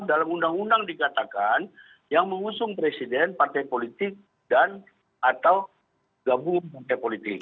dalam undang undang dikatakan yang mengusung presiden partai politik dan atau gabungan partai politik